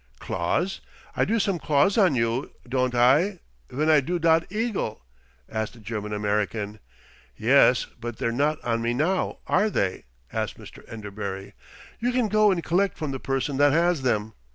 "Claws? I do some claws on you, don't I, ven I do dot eagle?" asked the German American. "Yes, but they're not on me now, are they?" asked Mr. Enderbury, "You can go and collect from the person that has them.